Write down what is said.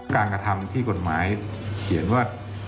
กระทำที่กฎหมายเขียนว่า